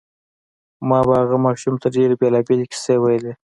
ما به هغه ماشوم ته ډېرې بېلابېلې کیسې ویلې